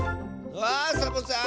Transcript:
あサボさん